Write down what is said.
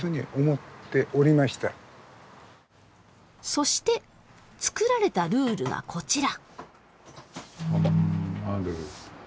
そして作られたルールがこちら。